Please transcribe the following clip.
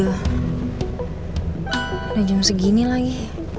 udah jam segini lagi